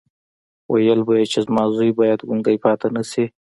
ويل به مې چې زما زوی بايد ګونګی پاتې نه شي.